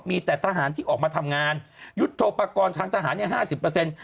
มีแต่ทหารที่ออกมาทำงานยุทธโปรกรณ์ทางทหารเนี่ยห้าสิบเปอร์เซ็นต์